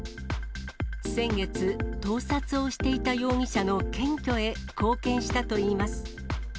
先月、盗撮をしていた容疑者の検挙へ貢献したといいます。